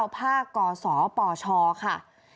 ภาคกศปชค่ะ